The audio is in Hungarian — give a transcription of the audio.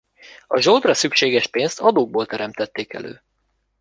A zsoldra szükséges pénzt adókból teremtették elő.